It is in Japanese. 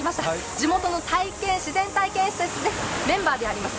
地元の自然体験施設でメンバーであります